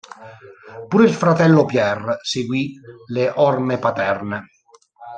Pure il fratello Pierre seguì le orme paterne.